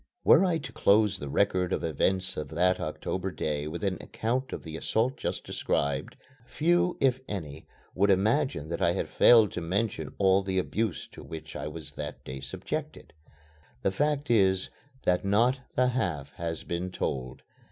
Were I to close the record of events of that October day with an account of the assault just described, few, if any, would imagine that I had failed to mention all the abuse to which I was that day subjected. The fact is that not the half has been told.